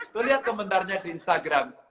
lihat komentarnya di instagram